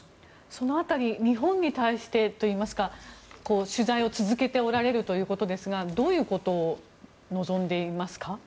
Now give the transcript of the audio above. その辺り日本に対してといいますか取材を続けておられるということですがどういうことを望んでいますか。